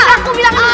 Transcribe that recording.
aku bilang jangan